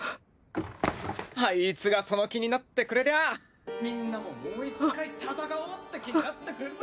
アイツがその気になってくれりゃあみんなももう一回戦おうって気になってくれるぜ。